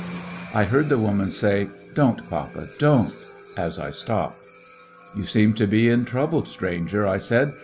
I heard the woman say, "Don't, papa, don't," as I stopped. "You seem to be in trouble, stranger," I said.